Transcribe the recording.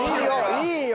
いいよ